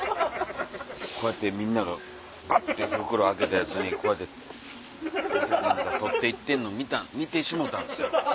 こうやってみんながバッて袋開けたやつにこうやって取って行ってんの見てしもうたんですよ。